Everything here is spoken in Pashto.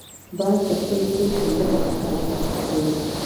باز د خپلو سترګو په مرسته ښکار کوي